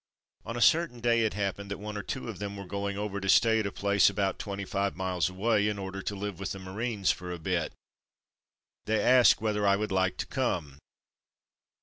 On a certain day it happened that one or two of them were going over to stay at a place about twenty five miles away, in order to live with the Marines for a bit. They asked me whether I would like to come.